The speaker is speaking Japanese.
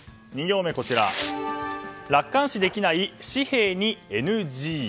２行目は楽観視できない紙幣にＮＧ。